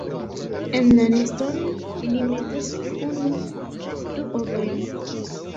En la neston ili metas unu ĝis du ovojn.